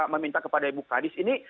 meminta kepada ibu kadis ini